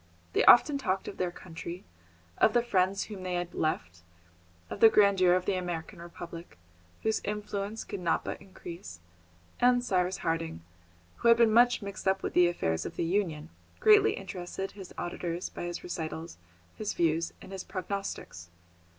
They often talked of their country, of the friends whom they had left, of the grandeur of the American Republic, whose influence could not but increase, and Cyrus Harding, who had been much mixed up with the affairs of the Union, greatly interested his auditors by his recitals, his views, and his prognostics.